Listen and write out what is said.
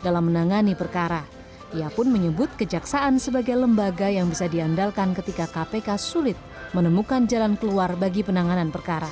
dalam menangani perkara ia pun menyebut kejaksaan sebagai lembaga yang bisa diandalkan ketika kpk sulit menemukan jalan keluar bagi penanganan perkara